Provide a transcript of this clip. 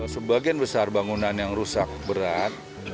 sebagian besar bangunan yang rusak berat